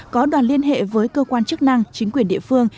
có đoàn liên hệ với cơ quan chức năng chính quyền địa phương